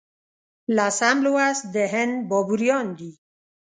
لسم لوست د هند بابریان دي.